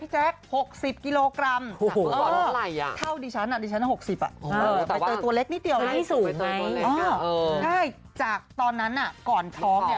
ใช่จากตอนนั้นก่อนท้องเนี่ย